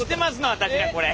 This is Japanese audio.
私らこれ。